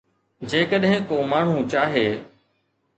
جيڪڏهن ڪو ماڻهو چاهي